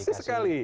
bah persis sekali